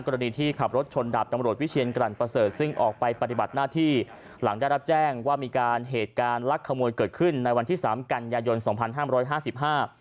กรณีที่ขับรถชนดาบตำรวจวิเชียนกลั่นประเสริฐซึ่งออกไปปฏิบัติหน้าที่หลังได้รับแจ้งว่ามีการเหตุการณ์ลักขโมยเกิดขึ้นในวันที่สามกันยายนสองพันห้ามร้อยห้าสิบห้า